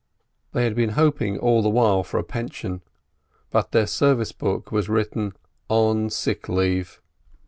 They had been hoping all the while for a pension, but in their service book was written "on sick leave."